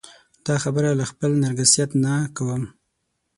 دا خبره له خپل نرګسیت نه کوم.